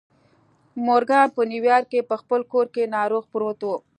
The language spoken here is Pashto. مورګان په نیویارک کې په خپل کور کې ناروغ پروت و